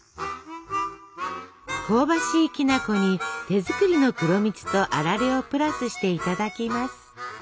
香ばしいきな粉に手作りの黒蜜とあられをプラスしていただきます。